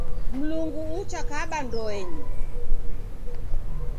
Mlungu uchakaba ndoenyi.